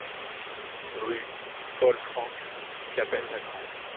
Rue Paul Francke, Cappelle-la-Grande